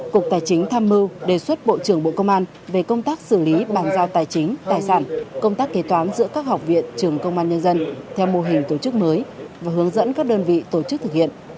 cục tài chính tham mưu đề xuất bộ trưởng bộ công an về công tác xử lý bàn giao tài chính tài sản công tác kế toán giữa các học viện trường công an nhân dân theo mô hình tổ chức mới và hướng dẫn các đơn vị tổ chức thực hiện